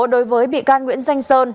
đối với bị can nguyễn danh sơn